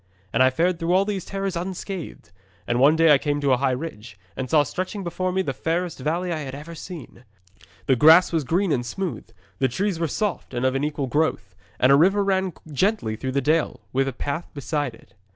'And I fared through all these terrors unscathed, and one day I came to a high ridge, and saw stretching below me the fairest valley I had ever seen. The grass was green and smooth, the trees were soft and of an equal growth; and a river ran gently through the dale, with a path beside it.